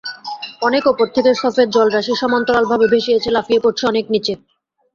অনেক ওপর থেকে সফেদ জলরাশি সমান্তরালভাবে ভেসে এসে লাফিয়ে পড়ছে অনেক নিচে।